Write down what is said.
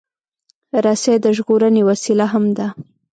رسۍ د ژغورنې وسیله هم ده.